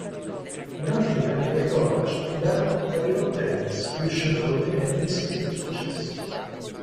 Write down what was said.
Durante gli anni del college, Bell praticò tennis riuscendo ad ottenere discreti successi.